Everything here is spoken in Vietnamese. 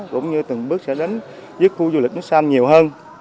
cũng như từng bước sẽ đến giúp khu du lịch núi sam nhiều hơn